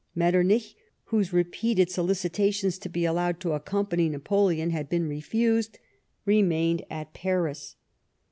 Metternich, whose repeated solicitation to be allowed to accompany Napoleon had been refused, remained at Paris.